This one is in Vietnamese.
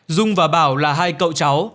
dung và bảo là hai cậu cháu